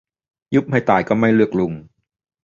ยุบให้ตายก็ไม่เลือกลุง